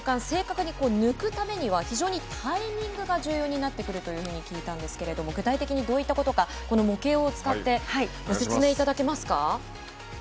正確に抜くためには非常にタイミングが重要になってくるというふうに聞いたんですけども、具体的にどういったことかこの模型を使ってご説明いただけますか？